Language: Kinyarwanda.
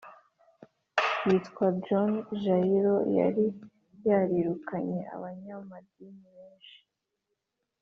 Witwa john jairo yari yarirukanye abanyamadini benshi